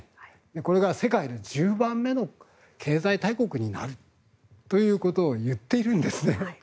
これから世界で１０番目の経済大国になるということを言っているんですね。